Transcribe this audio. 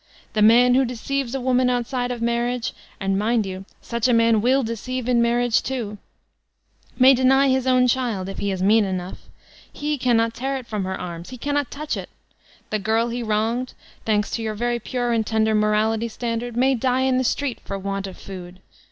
The man who deceives a woman outside of marriage (and mind you, such a amn will deceive m marriage too) may deny his own child» if he is mean cnoogfa. He cannot tear it from her arms — he cannot touch tt I The girl he wronged, thanks to your very pure and tender morality standard, may die in the street for want of food.